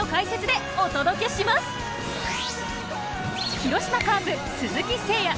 広島カープ、鈴木誠也。